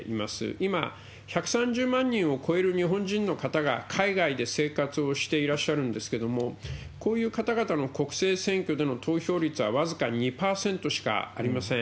今、１３０万人を超える日本人の方が海外で生活をしていらっしゃるんですけれども、こういう方々の国政選挙での投票率は僅か２％しかありません。